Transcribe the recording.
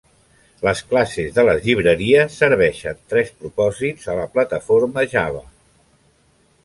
Les classes de les llibreries serveixen tres propòsits a la Plataforma Java.